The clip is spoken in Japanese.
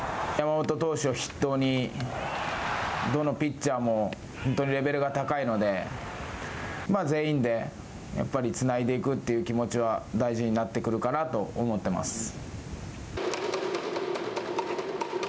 山本投手を筆頭に、どのピッチャーも本当にレベルが高いので、全員でやっぱりつないでいくという気持ちは大事になってくるかなと思ってます。